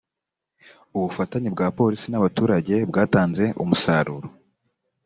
ubufatanye bwa polisi n’abaturage bwatanze umusaruro